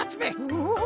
おお。